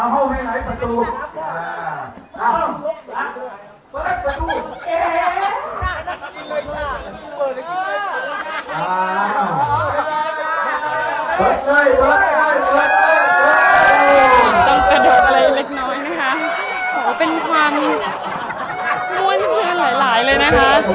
โปรดเฮ้ยโปรดโปรดเออต้องประเดิดอะไรเล็กน้อยนะคะโหเป็นความมวดเชิญหลายเลยนะคะ